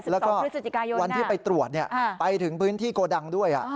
แล้วก็วันที่ไปตรวจไปถึงพื้นที่โกดังด้วย